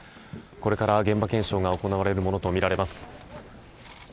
これから現場検証が行われるものとみられます。